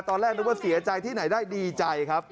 ตอนแรกนึกว่าเสียใจที่ไหนได้ดีใจครับ